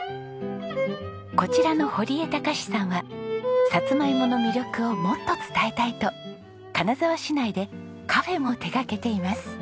こちらの堀江隆志さんはサツマイモの魅力をもっと伝えたいと金沢市内でカフェも手掛けています。